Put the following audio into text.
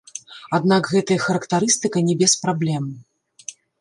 Аднак гэтая характарыстыка не без праблем.